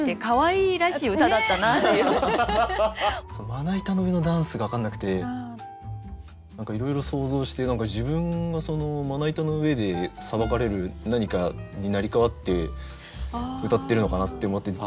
「まな板の上のダンス」が分かんなくて何かいろいろ想像して何か自分がまな板の上でさばかれる何かに成り代わってうたってるのかなって思って。